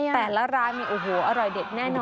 แต่ละร้านมีอร่อยเด็ดแน่นอนนะคะ